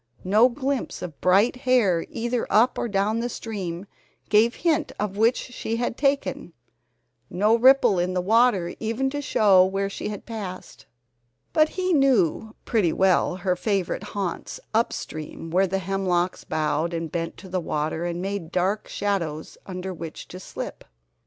No glimpse of bright hair either up or down stream gave hint of which she had taken, no ripple in the water even to show where she had passed. But he knew pretty well her favorite haunts up stream where the hemlocks bowed and bent to the water, and made dark shadows under which to slip.